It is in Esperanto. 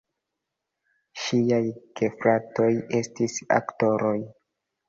Ŝiaj gefratoj estis aktoroj.